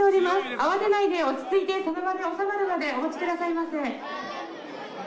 慌てないで落ち着いてその場で収まるまでお待ちくださいませ。